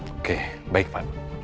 oke baik pak